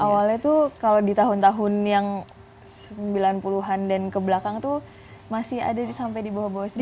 awalnya tuh kalau di tahun tahun yang sembilan puluh an dan kebelakang tuh masih ada sampai di bawah bawah sini